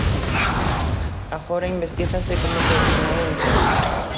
Agora investígase como se orixinou o incendio.